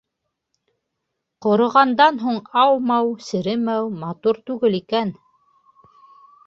Ҡороғандан һуң аумау, серемәү матур түгел икән.